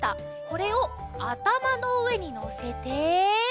これをあたまのうえにのせて。